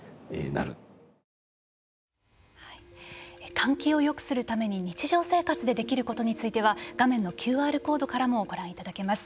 換気をよくするために日常生活でできることについては画面のＱＲコードからもご覧いただけます。